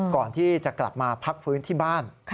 ก่อนที่จะกลับมาพักฟื้นที่บ้าน